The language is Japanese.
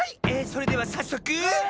それではさっそく。